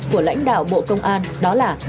của lãnh đạo bộ công an đó là